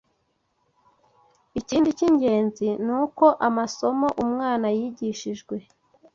Ikindi cy’ingenzi ni uko amasomo umwana yigishijwe